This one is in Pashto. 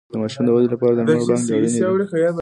د ماشوم د ودې لپاره د لمر وړانګې اړینې دي